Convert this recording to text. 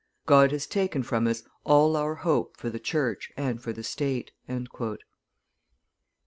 God has taken from us all our hope for the Church and for the State."